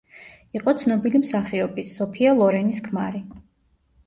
იყო ცნობილი მსახიობის, სოფია ლორენის ქმარი.